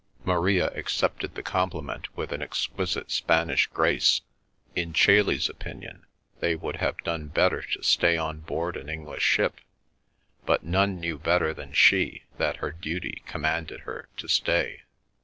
Maria accepted the compliment with an exquisite Spanish grace. In Chailey's opinion they would have done better to stay on board an English ship, but none knew better than she that her duty commanded her to stay.